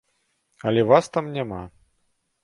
Але вас там няма.